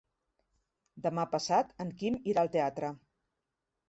Demà passat en Quim irà al teatre.